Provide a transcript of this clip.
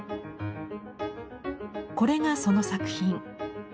これがその作品。